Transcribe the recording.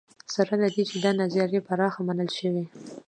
سره له دې چې دا نظریه پراخه منل شوې.